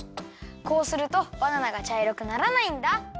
こうするとバナナがちゃいろくならないんだ。